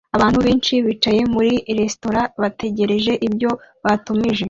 Abantu benshi bicaye muri resitora bategereje ibyo batumije